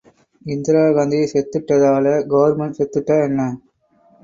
Indira Gandhi செத்துட்டதால government செத்துட்டா என்ன?